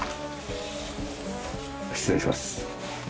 失礼します。